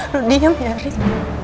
lo diam ya rick